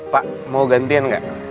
pak mau gantiin gak